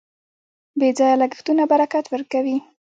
بې ځایه لګښتونه برکت ورکوي.